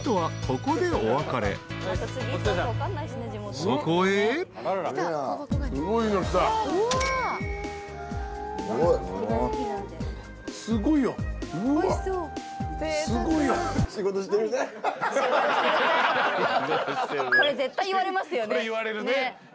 これ言われるね。